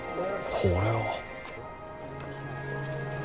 これは。